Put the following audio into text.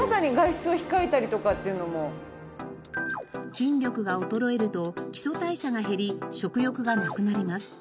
筋力が衰えると基礎代謝が減り食欲がなくなります。